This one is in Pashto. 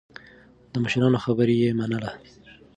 د مشرانو خبره يې منله.